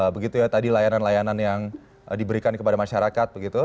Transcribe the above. begitu ya tadi layanan layanan yang diberikan kepada masyarakat